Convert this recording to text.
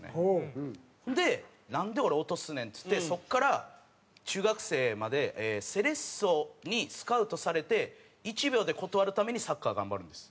で「なんで俺落とすねん」って言ってそこから中学生までセレッソにスカウトされて１秒で断るためにサッカー頑張るんです。